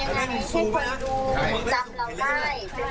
เราต้องหนีแล้วก็หนีคนอื่น